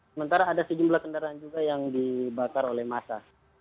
sementara ada sejumlah kendaraan juga yang dibakar oleh massa